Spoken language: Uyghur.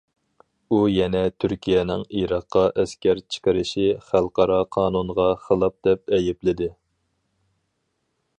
ئۇ يەنە تۈركىيەنىڭ ئىراققا ئەسكەر چىقىرىشى خەلقئارا قانۇنغا خىلاپ دەپ ئەيىبلىدى.